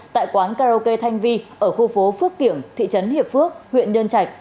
tại quán karaoke thanh vi ở khu phố phước kiểng thị trấn hiệp phước huyện nhân trạch